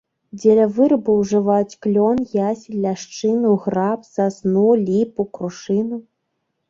Дзеля вырабу ўжываюць клён, ясень, ляшчыну, граб, сасну, ліпу, крушыну.